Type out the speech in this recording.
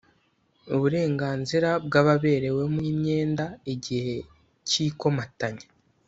Uburenganzira bw ababerewemo imyenda igihe cy ikomatanya